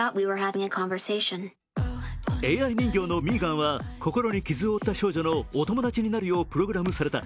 ＡＩ人形のミーガンは心に傷を負った少女のお友達になるよう、プログラムされた。